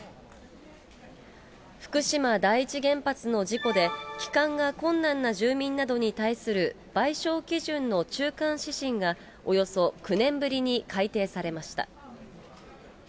福島第一原発の事故で、帰還が困難な住民などに対する賠償基準の中間指針が、およそ９年ぶりに改定されました。